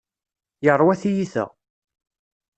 Yerwa tiyita.